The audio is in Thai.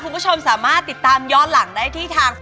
คุณผู้ชมสามารถติดตามย้อนหลังได้ที่ทาง